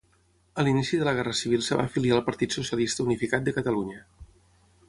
A l'inici de la guerra civil es va afiliar al Partit Socialista Unificat de Catalunya.